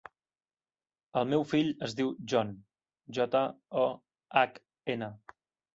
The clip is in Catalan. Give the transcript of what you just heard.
El meu fill es diu John: jota, o, hac, ena.